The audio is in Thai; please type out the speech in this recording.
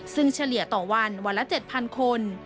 ซึ่งเฉลี่ยต่อวันวันละ๗๐๐คน